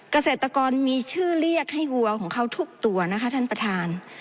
เกษตรกรมีชื่อเรียกให้วัวของเขาทุกตัวนะคะท่านประธาน